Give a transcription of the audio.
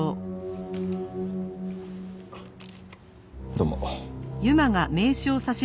どうも。